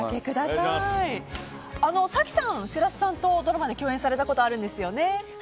早紀さん、白洲さんとドラマで共演されたことがあるんですよね。